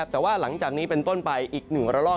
แต่ว่าหลังจากนี้เป็นต้นไปอีก๑ระลอก